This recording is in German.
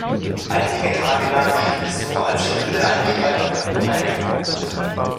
Einige Tage lang schien es so als stünde eine Spaltung der Partei bevor.